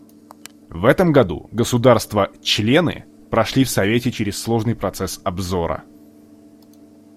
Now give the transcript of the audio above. В этом году государства-члены прошли в Совете через сложный процесс обзора.